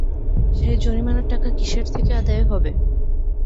সে জরিমানার টাকা কিসের থেকে আদায় হবে?